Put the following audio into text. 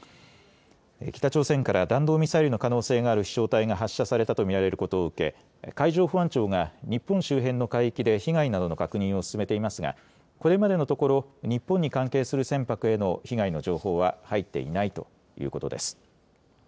北朝鮮から弾道ミサイルの可能性がある飛しょう体が発射されたと見られることを受け海上保安庁が日本周辺の海域で被害などの確認を進めていますがこれまでのところ日本に関係する船舶への被害の情報は入っていないということです。